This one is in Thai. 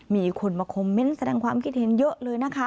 มีคนมาคอมเมนต์แสดงความคิดเห็นเยอะเลยนะคะ